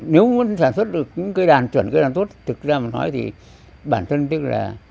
nếu muốn sản xuất được những cái đàn chuẩn cơ đàn tốt thực ra mà nói thì bản thân tức là